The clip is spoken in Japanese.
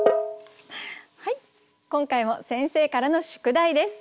今回も先生からの宿題です。